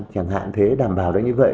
chẳng hạn thế đảm bảo được như vậy